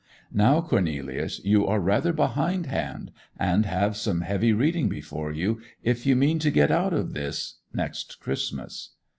Now, Cornelius, you are rather behindhand, and have some heavy reading before you if you mean to get out of this next Christmas.